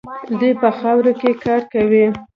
دوی په خاورو کې کار کوي.